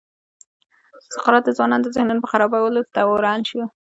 سقراط د ځوانانو د ذهنونو په خرابولو تورن شو.